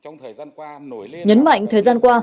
nhấn mạnh thời gian qua